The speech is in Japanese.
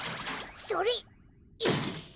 それ！